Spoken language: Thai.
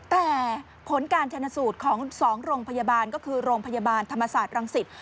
แต่ผลการชนสูตรของ๒โรงพยาบาลก็คือโรงพยาบาลธรรมศาสตร์รังสิต